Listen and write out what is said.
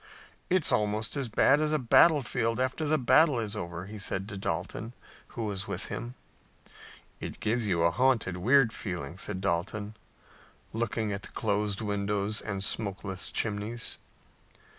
"It's almost as bad as a battlefield after the battle is over," he said to Dalton, who was with him. "It gives you a haunted, weird feeling," said Dalton, looking at the closed windows and smokeless chimneys.